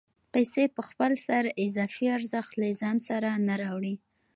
پیسې په خپل سر اضافي ارزښت له ځان سره نه راوړي